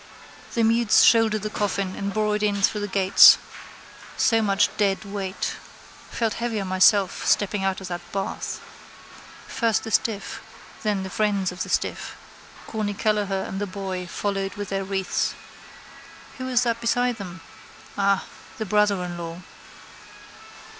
The mutes shouldered the coffin and bore it in through the gates. So much dead weight. Felt heavier myself stepping out of that bath. First the stiff: then the friends of the stiff. Corny Kelleher and the boy followed with their wreaths. Who is that beside them? Ah, the brother in law.